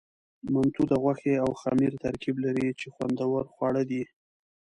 منتو د غوښې او خمیر ترکیب لري، چې خوندور خواړه دي.